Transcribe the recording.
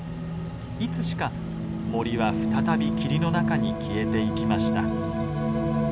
いつしか森は再び霧の中に消えていきました。